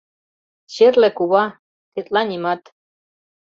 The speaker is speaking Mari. Черле кува, — тетла нимат.